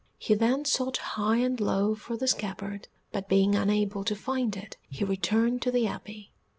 He then sought high and low for the scabbard, but being unable to find it, he returned to the Abbey.